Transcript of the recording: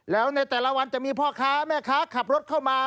แล้วในแต่ละวันจะมีพ่อค้าแม่ค้าขับรถเข้ามา